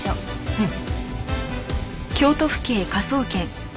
うん。